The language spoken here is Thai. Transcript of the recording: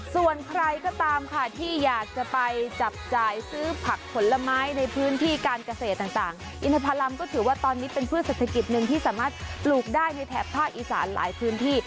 ส่วนใครก็ตามค่ะที่อยากจะไปจับจ่ายซื้อผักผลไม้ในพื้นที่การเกษตรต่างอินทพรัมก็ถือว่าตอนนี้เป็นพืชเศรษฐกิจหนึ่งที่สามารถปลูกได้ในแถบภาคอีสานหลายพื้นที่